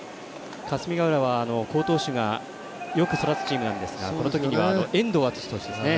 霞ヶ浦は、好投手がよく育つチームなんですがこのときは遠藤投手ですね。